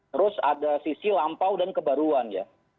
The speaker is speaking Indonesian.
terus ada sisi lampau dan kebaruan ya